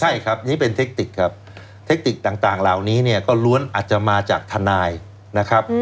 ใช่ครับนี่เป็นเทคติกครับเทคนิคต่างเหล่านี้เนี่ยก็ล้วนอาจจะมาจากทนายนะครับ